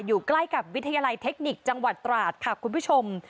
อยู่ใกล้กับวิทยาลัยเทคนิคจังหวัดตราดค่ะคุณผู้ชม